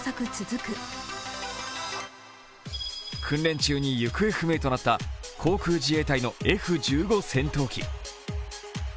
訓練中に行方不明となった航空自衛隊のＦ１５戦闘機。